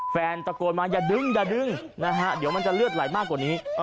แฟนตะโกนมาอย่าดึงอย่าดึงนะฮะเดี๋ยวมันจะเลือดไหลมากกว่านี้